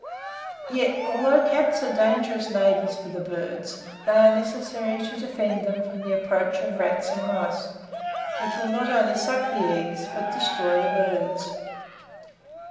Yet, although cats are dangerous neighbours for the birds, they are necessary to defend them from the approach of rats and mice, which will not only suck the eggs, but destroy the birds.